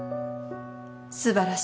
素晴らしい。